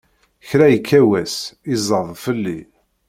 Kra ikka wass, iẓẓad fell-i!